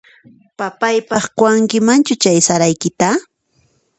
Papayqaq quwankimanchu chay saraykita?